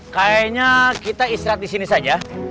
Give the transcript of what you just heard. kayaknya kita istirahat disini saja